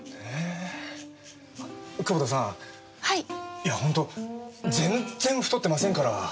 いやほんと全然太ってませんから！